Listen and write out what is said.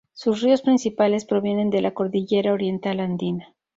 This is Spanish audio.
Sus ríos principales provienen de la cordillera Oriental andina.